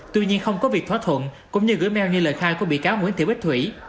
tuy nhiên không có việc thoát thuận cũng như gửi mail như lời khai của bị cáo nguyễn thị bích thùy